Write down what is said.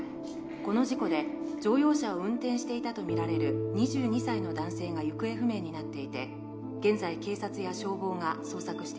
この事故で乗用車を運転していたとみられる２２歳の男性が行方不明になっていて現在警察や消防が捜索しています